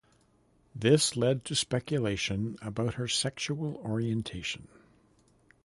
This led to speculation about her sexual orientation.